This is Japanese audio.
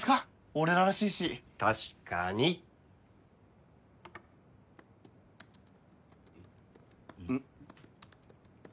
俺ららしいし確かにうん？